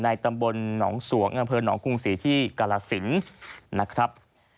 ในตำบลหนองส่วงอังคารหนองกรุงศรีที่กาลสินทร์นะครับ